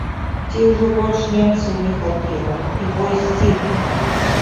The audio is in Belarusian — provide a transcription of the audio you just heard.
Ці ўжо больш немцаў не хапіла, і бой сціх?